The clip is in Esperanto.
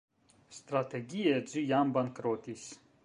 Strategie, ĝi jam bankrotis.